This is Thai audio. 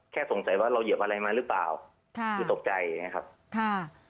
สงสัยว่าเราเหยียบอะไรมาหรือเปล่าค่ะคือตกใจอย่างเงี้ครับค่ะ